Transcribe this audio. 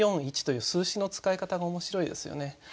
「一」という数詞の使い方が面白いですよね。